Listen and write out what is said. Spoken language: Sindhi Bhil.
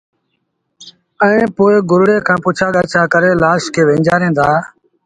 ائيٚݩ پو گُرڙي کآݩ پڇآ ڳآڇآ ڪري لآش کي وينچآرين دآ